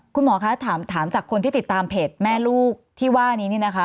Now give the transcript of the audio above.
คุณหมอคะถามจากคนที่ติดตามเพจแม่ลูกที่ว่านี้นี่นะคะ